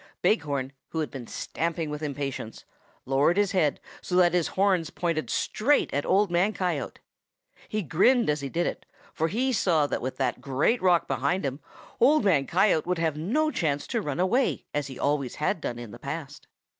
"Big Horn, who had been stamping with impatience, lowered his head so that his horns pointed straight at Old Man Coyote. He grinned as he did it, for he saw that with that great rock behind him, Old Man Coyote would have no chance to run away as he always had done in the past.